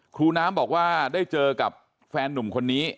ครูน้ำบอกว่าได้เจอกับแฟนนุ่มคนนี้